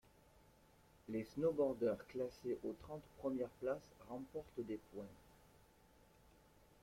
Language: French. Les snowboardeurs classés aux trente premières places remportent des points.